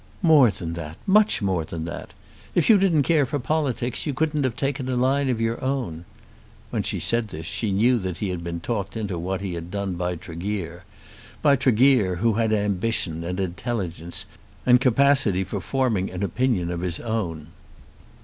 "More than that; much more than that. If you didn't care for politics you couldn't have taken a line of your own." When she said this she knew that he had been talked into what he had done by Tregear, by Tregear, who had ambition, and intelligence, and capacity for forming an opinion of his own.